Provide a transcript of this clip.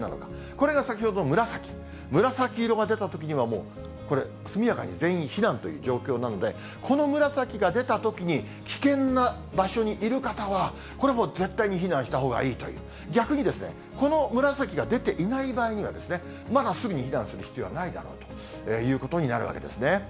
これが先ほどの紫、紫色が出たときには、もう、これ、速やかに全員避難という状況なので、この紫が出たときに、危険な場所にいる方は、これもう、絶対避難したほうがいいという、逆にこの紫が出ていない場合には、まだすぐに避難する必要はないだろうということになるわけですね。